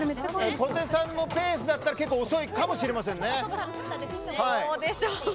小手さんのペースだったら結構遅いかもしれませんね。